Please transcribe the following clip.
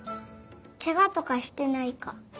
けがとかしてないか。